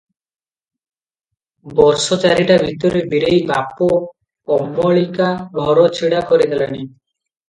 ବର୍ଷଚାରିଟା ଭିତରେ ବୀରେଇ ବାପ ଅମଳିକା ଘର ଛିଡ଼ା କରିଦେଲାଣି ।